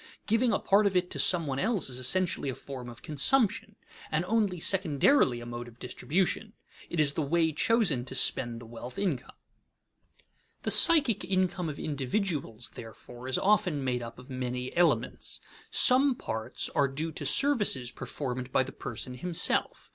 Giving a part of it to some one else is essentially a form of consumption, and only secondarily a mode of distribution; it is the way chosen to spend the wealth income. [Sidenote: Complex source of psychic incomes] The psychic income of individuals, therefore, is often made up of many elements. Some parts are due to services performed by the person himself.